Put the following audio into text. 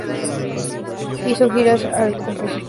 Hizo giras con el compositor y escritor Atilano Ortega Sanz.